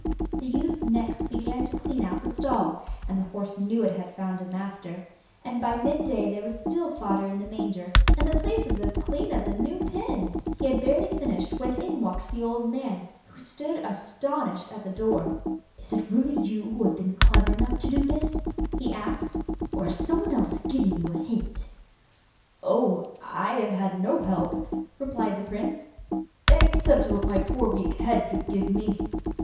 The youth next began to clean out the stall, and the horse knew it had found a master; and by mid day there was still fodder in the manger, and the place was as clean as a new pin. He had barely finished when in walked the old man, who stood astonished at the door. 'Is it really you who have been clever enough to do that?' he asked. 'Or has some one else given you a hint?' 'Oh, I have had no help,' replied the prince, 'except what my poor weak head could give me.